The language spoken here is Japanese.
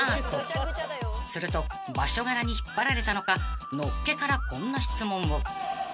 ［すると場所柄に引っ張られたのかのっけからこんな質問を］